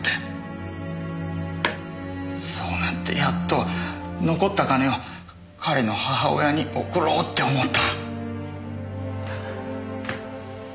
そうなってやっと残った金を彼の母親に送ろうって思った。